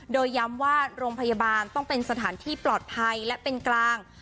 โดยย้ำว่าโรงพยาบาลต้องเป็นสถานที่ปลอดภัยและเป็นกลาง